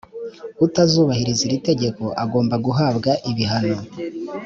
utazubahiriza iri tegeko agomba guhambwa ibihano